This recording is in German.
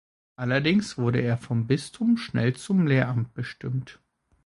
Allerdings wurde er vom Bistum schnell zum Lehramt bestimmt.